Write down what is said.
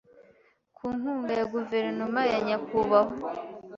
ku nkunga ya guverinoma ya nyakubahwa